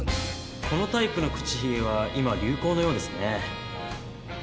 このタイプの口ひげは今流行のようですね。